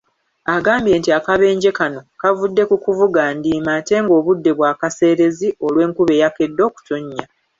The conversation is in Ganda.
Agambye nti akabenje kano kavudde ku kuvuga ndiima ate ng'obudde bwakaseerezi olw'enkuba eyakedde okutonnya.